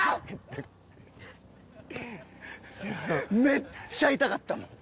めっちゃ痛かったもん。